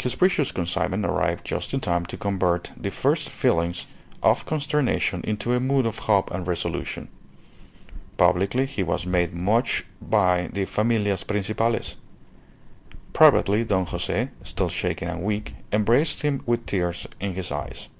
His precious consignment arrived just in time to convert the first feelings of consternation into a mood of hope and resolution. Publicly he was made much of by the familias principales. Privately Don Jose, still shaken and weak, embraced him with tears in his eyes.